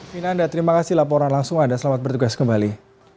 vinanda terima kasih laporan langsung anda selamat bertugas kembali